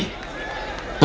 dan orang yang di sini